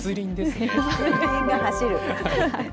密林が走る。